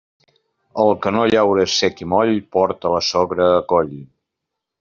El que no llaura sec i moll, porta la sogra al coll.